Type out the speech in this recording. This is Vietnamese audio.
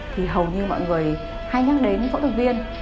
thì hầu như mọi người hay nhắc đến phẫu thuật viên